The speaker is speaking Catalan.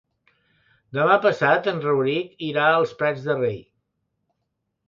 Demà passat en Rauric irà als Prats de Rei.